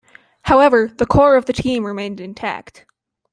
However, the core of the team remained intact.